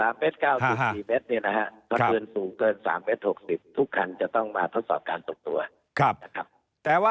๑๓เมตรเกิน๓เมตร๖๐ทุกคันจะต้องมาทดสอบการตกตัว